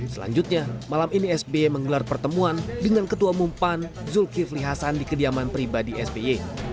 selanjutnya malam ini sby menggelar pertemuan dengan ketua umum pan zulkifli hasan di kediaman pribadi sby